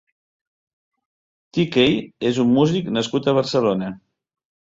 T-key és un músic nascut a Barcelona.